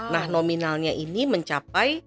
nah nominalnya ini mencapai